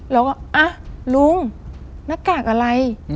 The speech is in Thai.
เราก็ลุงหน้ากากอะไร